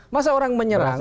masa orang menyerang